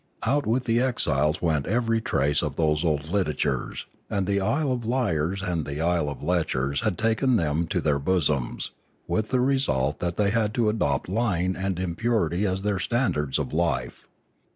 Out with the exiles went every trace of those old literatures; and the isle of liars and the isle of lechers had taken them to their bosoms, with the result that they had to adopt lying and impurity as their standards of life.